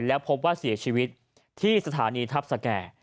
แล้วพบว่าเสียชีวิตที่สถานีทัพสแก่